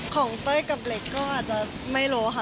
เต้ยกับเหล็กก็อาจจะไม่รู้ค่ะ